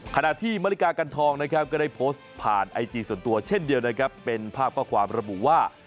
ขณะที่มริกากันทองนะครับก็ได้โพสต์ผ่านไอจีส่วนตัวเช่นเดียวนะครับเป็นภาพข้อความระบุว่า